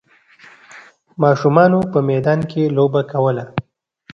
ماشومانو په میدان کې لوبه کوله.